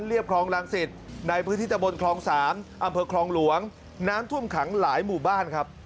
คลองรังสิตในพื้นที่ตะบนคลอง๓อำเภอคลองหลวงน้ำท่วมขังหลายหมู่บ้านครับ